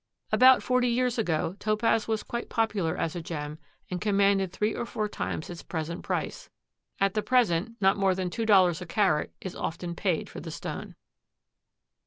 About forty years ago Topaz was quite popular as a gem and commanded three or four times its present price. At the present not more than two dollars a carat is often paid for the stone.